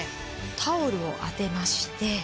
タオルを当てまして。